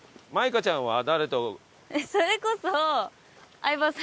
それこそ。